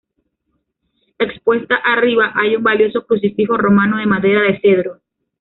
Expuesta arriba hay un valioso crucifijo romano de madera de cedro.